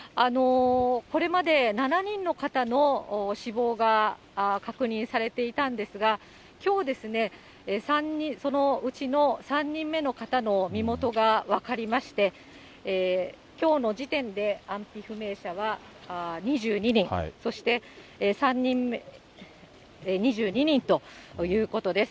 これまで７人の方の死亡が確認されていたんですが、きょうですね、そのうちの３人目の方の身元が分かりまして、きょうの時点で安否不明者は２２人ということです。